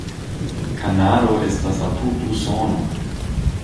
Kanado estas apud Usono.